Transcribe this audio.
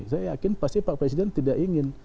saya yakin pasti pak presiden tidak ingin